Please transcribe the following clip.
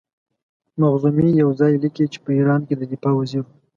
مخزومي یو ځای لیکي چې په ایران کې د دفاع وزیر وو.